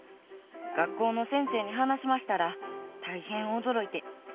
学校の先生に話しましたら大変驚いて。